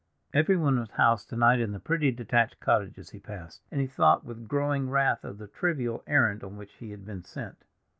Everyone was housed to night in the pretty detached cottages he passed, and he thought with growing wrath of the trivial errand on which he had been sent.